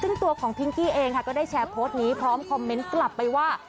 ซึ่งตัวของพิงกี้เองค่ะก็ได้แชร์โพสต์นี้พร้อมคอมเมนต์กลับไปว่า